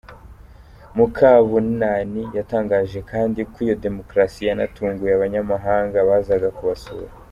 Mukabunani yatangaje kandi ko iyo demokarasi yanatunguye abanyamahanga bazaga kubasura.